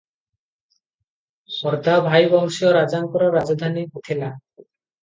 ଖୋର୍ଦା ଭୋଇବଂଶୀୟ ରାଜାଙ୍କର ରାଜଧାନୀ ଥିଲା ।